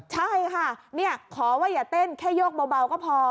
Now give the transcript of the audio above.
ใช่ค่ะขอว่าอย่าเต้นแค่โยกเบาก็พอ